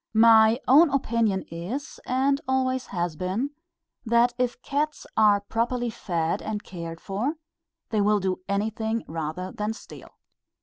My own opinion is, and always has been, that if cats are properly fed and cared for, they will do anything rather than steal.